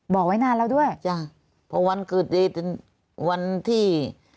บอกไว้นานแล้วด้วยจ้ะพอวันเกิดเหตุวันที่